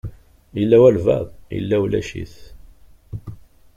Yella walebɛaḍ yella, ulac-it.